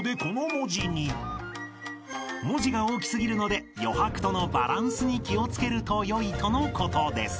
［文字が大きすぎるので余白とのバランスに気をつけるとよいとのことです］